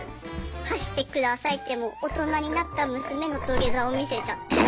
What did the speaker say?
貸してくださいって大人になった娘の土下座を見せちゃって。